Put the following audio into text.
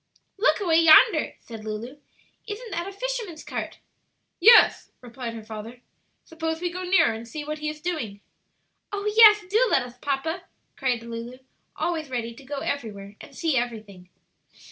"Look away yonder," said Lulu; "isn't that a fisherman's cart?" "Yes," replied her father. "Suppose we go nearer and see what he is doing." "Oh, yes; do let us, papa!" cried Lulu, always ready to go everywhere and see everything.